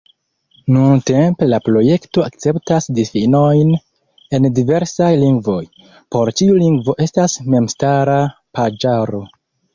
Nuntempe la projekto akceptas difinojn en diversaj lingvoj: por ĉiu lingvo estas memstara paĝaro.